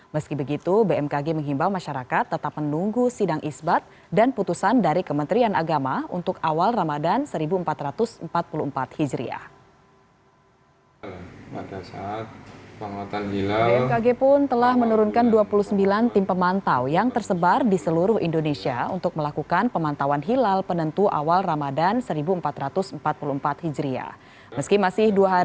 meski begitu bmkg menghimbau masyarakat tetap menunggu sidang isbat dan putusan dari kementerian agama untuk awal ramadan seribu empat ratus empat puluh empat hijriah